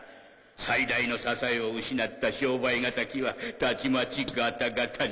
最大の支えを失った商売がたきはたちまちガタガタになる。